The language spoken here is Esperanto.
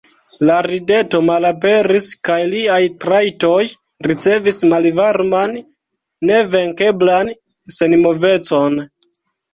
La rideto malaperis, kaj liaj trajtoj ricevis malvarman, nevenkeblan senmovecon.